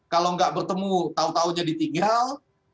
kalau nggak bertemu tau taunya ditinggal